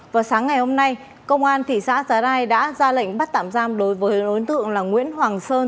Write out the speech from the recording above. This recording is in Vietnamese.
vào sáng ngày hôm nay công an thị xã giá rai đã ra lệnh bắt tạm giam đối với đối tượng là nguyễn hoàng sơn